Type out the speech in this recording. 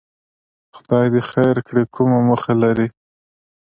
خدای دې خیر کړي، کومه موخه لري؟